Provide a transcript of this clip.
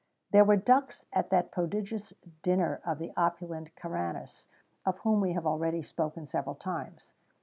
There were ducks at that prodigious dinner of the opulent Caranus, of whom we have already spoken several times.